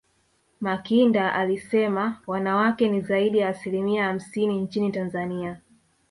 makinda alisema wanawake ni zaidi ya asilimia hamsini nchini tanzania